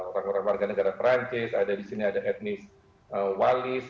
orang orang warga negara perancis ada di sini ada etnis walis